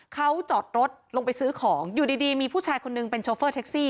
เขาจอดรถลงไปซื้อของอยู่ดีมีผู้ชายคนนึงเป็นโชเฟอร์แท็กซี่